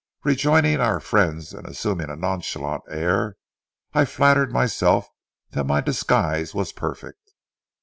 Rejoining our friends and assuming a nonchalant air, I flattered myself that my disguise was perfect.